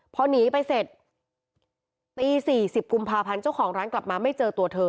พอหนีไปเสร็จตี๔๐กุมภาพันธ์เจ้าของร้านกลับมาไม่เจอตัวเธอ